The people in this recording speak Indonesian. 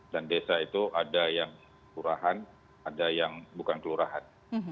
dan desa itu ada yang kurahan ada yang bukan kurahan